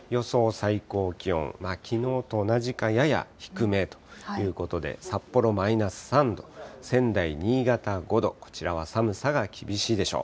最高気温、きのうと同じか、やや低めということで、札幌マイナス３度、仙台、新潟５度、こちらは寒さが厳しいでしょう。